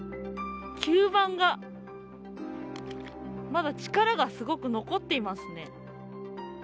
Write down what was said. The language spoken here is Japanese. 吸盤がまだ力がすごく残っていますね。